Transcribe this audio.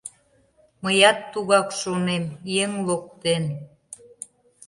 Мыят тугак шонем: еҥ локтен...